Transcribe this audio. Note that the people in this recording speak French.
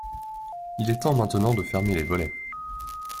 Il est temps maintenant de fermer les volets.